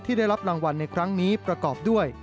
ได้รับรางวัลในครั้งนี้ประกอบด้วย